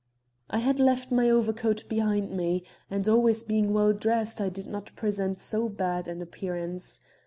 I had left my overcoat behind me, and always being well dressed, I did not present so bad an appearance.